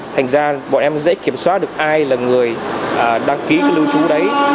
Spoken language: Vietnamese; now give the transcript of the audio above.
thành ra bọn em dễ kiểm soát được ai là người đăng ký lưu trú đấy